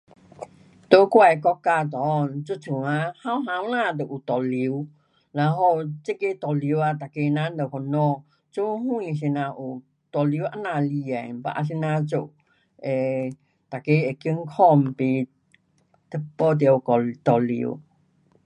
在我的国家内这阵啊年年轻就有毒瘤，然后，这个毒瘤啊每个人都烦恼，做什怎样有毒瘤这么厉害，要啊怎样做 um 每个会健康不得到毒瘤。